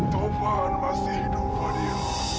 taufan masih hidup fadil